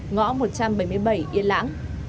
ngõ một trăm bảy mươi bảy yên lãng